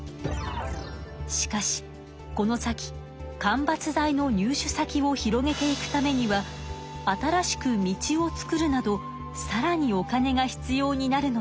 しかしこの先間伐材の入手先を広げていくためには新しく道を作るなどさらにお金が必要になるのです。